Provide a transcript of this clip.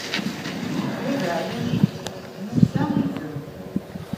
Baba Ɛli Musa izem.